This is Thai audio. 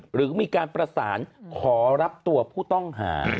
หรือมีการประสานขอรับตัวผู้ต้องหา